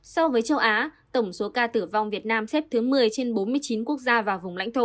so với châu á tổng số ca tử vong việt nam xếp thứ một mươi trên bốn mươi chín quốc gia và vùng lãnh thổ